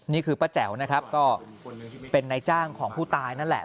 นี่คือป้าแจ๋วนะครับก็เป็นนายจ้างของผู้ตายนั่นแหละ